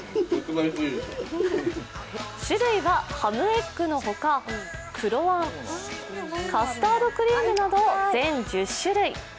種類はハムエッグのほか、黒あん、カスタードクリームなど全１０種類。